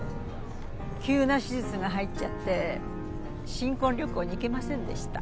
急な手術が入っちゃって新婚旅行に行けませんでした。